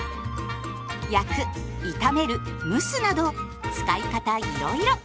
焼く炒める蒸すなど使い方いろいろ。